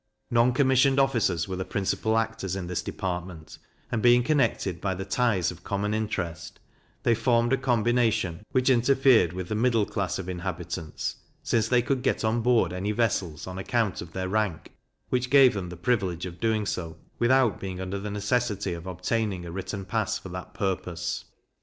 Non commissioned officers were the principal actors in this department, and being connected by the ties of common interest, they formed a combination which interfered with the middle class of inhabitants, since they could get on board any vessels on account of their rank, which gave them the privilege of doing so, without being under the necessity of obtaining a written pass for that purpose.